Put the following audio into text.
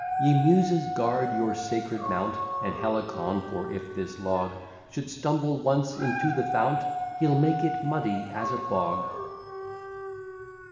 Ye Muses, guard your sacred mount, And Helicon, for if this log Should stumble once into the fount, He'll make it muddy as a bog.